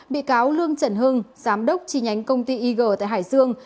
bị cáo lương trần hưng giám đốc chi nhánh công ty yg tại hải dương